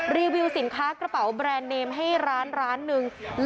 รีวิวสินค้ากระเป๋าแบรนด์เนมให้ร้านร้านหนึ่ง